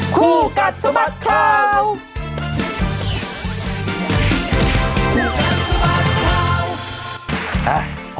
คู่กัดสมัครเขา